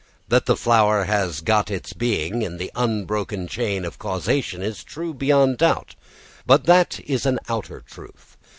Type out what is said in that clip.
That the flower has got its being in the unbroken chain of causation is true beyond doubt; but that is an outer truth.